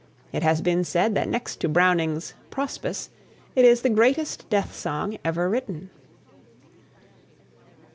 It has been said that next to Browning's "Prospice" it is the greatest death song ever written.